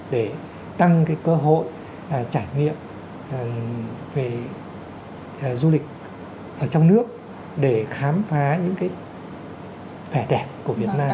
để tăng cái cơ hội trải nghiệm về du lịch ở trong nước để khám phá những cái vẻ đẹp của việt nam